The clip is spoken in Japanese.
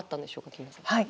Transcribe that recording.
木村さん。